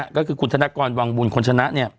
ก็คือคุณธนกรวังบุญคนชนะ